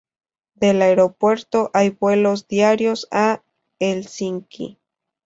Del aeropuerto hay vuelos diarios a Helsinki.